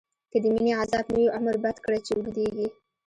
که دمينی عذاب نه وی، عمر بد کړی چی اوږديږی